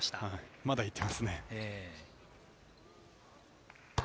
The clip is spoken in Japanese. まだ言っていますね。